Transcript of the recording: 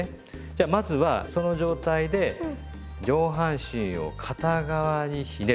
じゃあまずはその状態で上半身を片側にひねる。